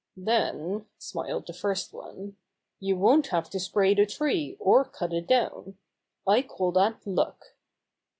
"Then," smiled the first one, "you won't have to spray the tree or cut it down. I call that luck."